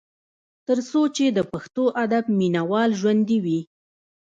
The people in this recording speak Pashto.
تر څو چې د پښتو ادب مينه وال ژوندي وي ۔